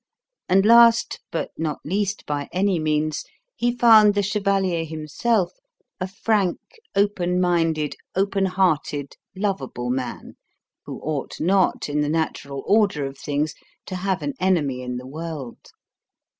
And last, but not least by any means, he found the chevalier himself a frank, open minded, open hearted, lovable man who ought not, in the natural order of things, to have an enemy in the world.